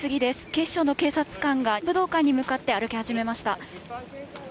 警視庁の警察官が報道官に向かって歩き始めました。